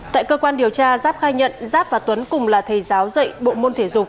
tại cơ quan điều tra giáp khai nhận giáp và tuấn cùng là thầy giáo dạy bộ môn thể dục